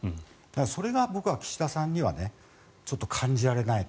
それが僕は岸田さんにはちょっと感じられないと。